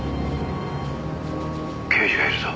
「刑事がいるぞ。